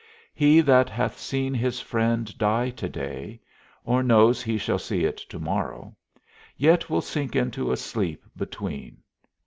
He that hath seen his friend die to day, or knows he shall see it to morrow, yet will sink into a sleep between.